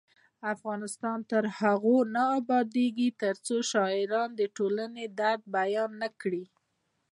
افغانستان تر هغو نه ابادیږي، ترڅو شاعران د ټولنې درد بیان نکړي.